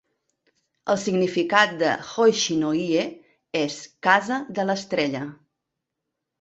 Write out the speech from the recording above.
El significat de "Hoshi-no-ie" és "casa de l'estrella".